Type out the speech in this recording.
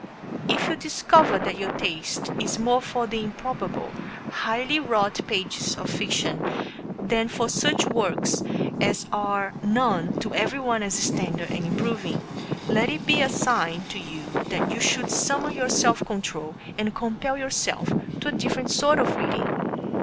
If you discover that your taste is more for the improbable highly wrought pages of fiction than for such works as are known to everyone as standard and improving, let it be a sign to you that you should summon your self control and compel yourself to a different sort of reading.